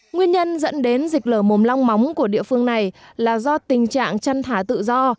nguyên nhân dẫn đến dịch lở mồm long móng của địa phương này là do tình trạng chăn thả tự do